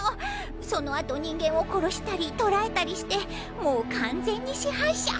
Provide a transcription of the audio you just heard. その後人間を殺したり捕らえたりしてもう完全に支配者。